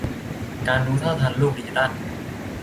การรู้เท่าทันโลกดิจิทัล